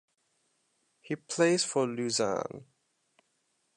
He plays for Luzern.